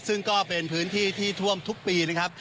ซึ่งก็เป็นพื้นที่ที่ท่วมทุกปีนะครับ